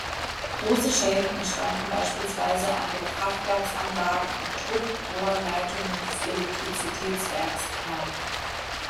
Große Schäden entstanden beispielsweise an den Kraftwerksanlagen und Druckrohrleitungen des Elektrizitätswerks Perg.